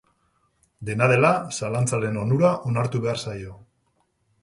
Dena dela, zalantzaren onura onartu behar zaio.